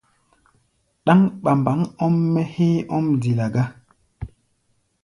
Ɗáŋ ɓambaŋ ɔ́m-mɛ́ héé ɔ́m dila gá!